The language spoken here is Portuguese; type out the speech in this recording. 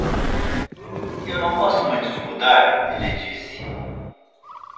"Eu não gosto muito de mudar?" ele disse.